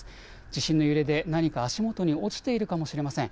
地震の揺れで何か足元に落ちているかもしれません。